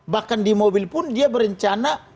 bahkan di mobil pun dia berencana